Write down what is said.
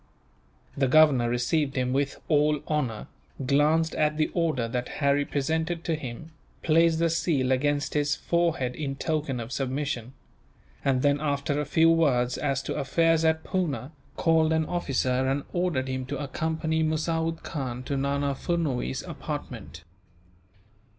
The governor received him with all honour, glanced at the order that Harry presented to him, placed the seal against his forehead in token of submission; and then, after a few words as to affairs at Poona, called an officer and ordered him to accompany Musawood Khan to Nana Furnuwees' apartment.